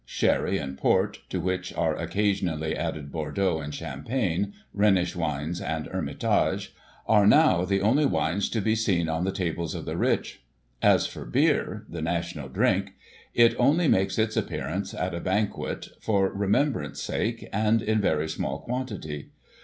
Sherry and Port (to which are occasionally added Bordeaux and Champagne, Rhenish wines and Hermitage) are, now, the only wines to be seen on the tables of the rich. As for beer (the national drink), it only makes its ap pearance at a banquet, for remembrance sake, and in very small quantity.